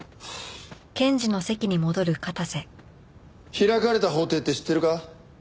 「開かれた法廷」って知ってるか？